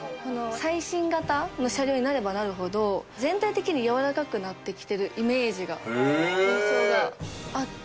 最新型の車両になればなるほど全体的にやわらかくなってきてるイメージが現象があって。